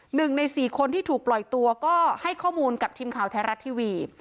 หนึ่งในสี่คนที่ถูกปล่อยตัวก็ให้ข้อมูลกับทีมข่าวไทยรัฐทีวี